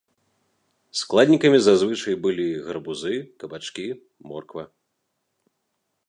Складнікамі зазвычай былі гарбузы, кабачкі, морква.